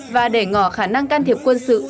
và để ngỏ khả năng can thiệp quân sự